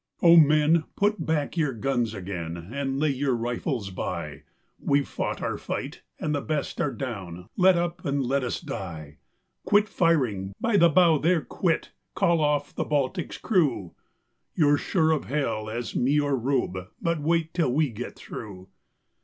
O men, put back your guns again and lay your rifles by, We've fought our fight, and the best are down. Let up and let us die! Quit firing, by the bow there quit! Call off the Baltic's crew! You're sure of Hell as me or Rube but wait till we get through."